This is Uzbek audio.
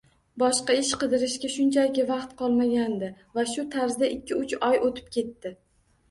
Boshqa ish qidirishga shunchaki vaqt qolmagandi va shu tarzda ikki-uch oy oʻtib ketdi.